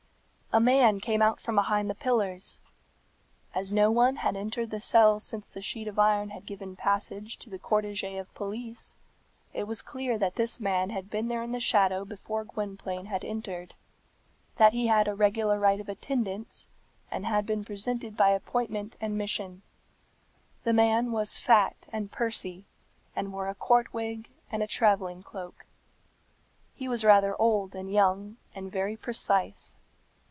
A man came out from behind the pillars. As no one had entered the cell since the sheet of iron had given passage to the cortège of police, it was clear that this man had been there in the shadow before Gwynplaine had entered, that he had a regular right of attendance, and had been present by appointment and mission. The man was fat and pursy, and wore a court wig and a travelling cloak. He was rather old than young, and very precise.